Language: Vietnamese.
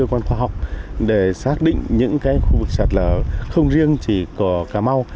và một số những cơ quan khoa học để xác định những cái khu vực sạt lở không riêng chỉ có cà mau